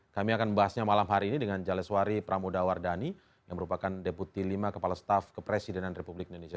kami akan membahasnya malam hari ini dengan jaleswari pramodawardani yang merupakan deputi lima kepala staf kepresidenan republik indonesia